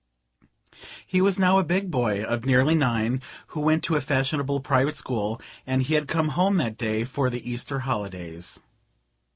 He was now a big boy of nearly nine, who went to a fashionable private school, and he had come home that day for the Easter holidays.